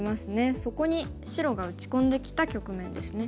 そこに白が打ち込んできた局面ですね。